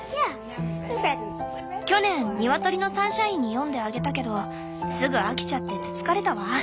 去年ニワトリのサンシャインに読んであげたけどすぐ飽きちゃってつつかれたわ。